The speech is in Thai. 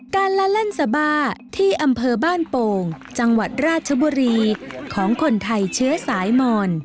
ละเล่นสบาที่อำเภอบ้านโป่งจังหวัดราชบุรีของคนไทยเชื้อสายมอน